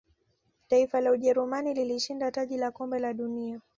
taifa la ujerumani lilishinda taji la kombe la dunia